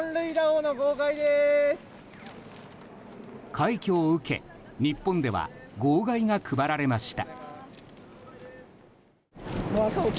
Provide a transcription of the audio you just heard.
快挙を受け日本では号外が配られました。